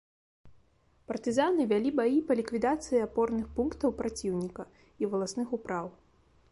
Партызаны вялі баі па ліквідацыі апорных пунктаў праціўніка і валасных упраў.